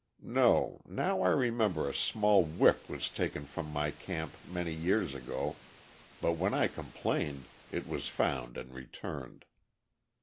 (No, now I remember, a small whip was taken from my camp many years ago, but when I complained, it was found and returned.)